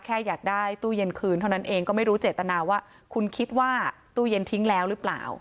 แค่อยากได้ตู้เย็นคืนเท่านั้นเองก็ไม่รู้เจตนาว่าคุณคิดว่าตู้เย็นทิ้งแล้วหรือเปล่า